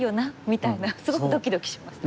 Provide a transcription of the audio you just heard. みたいなすごくドキドキします。